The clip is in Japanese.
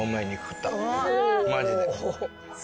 マジで。